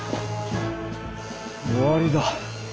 終わりだ。